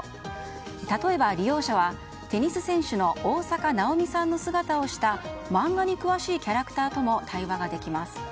例えば、利用者はテニス選手の大坂なおみさんの姿をした漫画に詳しいキャラクターとも対話ができます。